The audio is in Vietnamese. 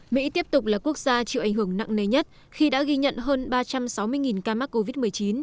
mỹ tiếp tục là quốc gia chịu ảnh hưởng nặng nề nhất khi đã ghi nhận hơn ba trăm sáu mươi ca mắc covid một mươi chín